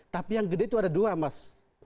tapi yang gede itu ada dua mas